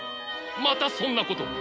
またそんなことを！